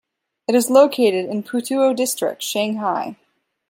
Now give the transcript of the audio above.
It is located in Putuo District, Shanghai.